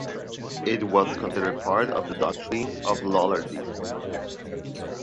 It was considered part of the doctrines of Lollardy.